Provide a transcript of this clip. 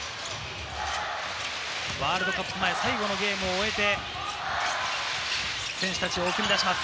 ワールドカップ前、最後のゲームを終えて選手たちを送り出します。